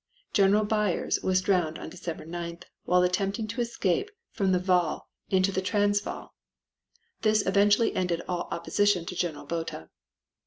General Beyers was drowned on December 9th while attempting to escape from the Vall into the Transvaal. This virtually ended all opposition to General Botha.